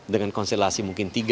dengan konstelasi mungkin